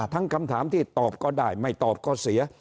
คำถามที่ตอบก็ได้ไม่ตอบก็เสีย